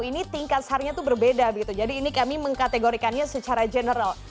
jadi di dalam tubuh ini tingkat sar nya itu berbeda begitu jadi ini kami mengkategorikannya secara general